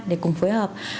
để cùng phối hợp